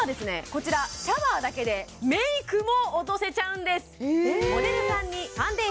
こちらシャワーだけでメイクも落とせちゃうんです